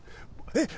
えっ！